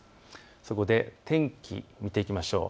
そこで天気を見ていきましょう。